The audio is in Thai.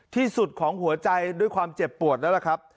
ที่สุดของหัวใจด้วยความเจ็บปวดแล้วล่ะครับ